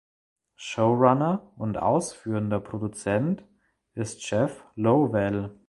Showrunner und ausführender Produzent ist Jeff Lowell.